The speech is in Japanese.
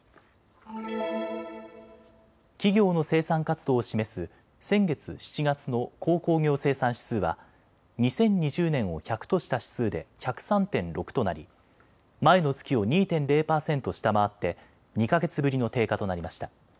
企業の生産活動を示す先月７月の鉱工業生産指数は２０２０年を１００とした指数で１０３．６となり前の月を２．０％下回って２か月ぶりの低下となりました。